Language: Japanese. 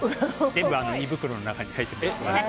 全部胃袋の中に入ってます。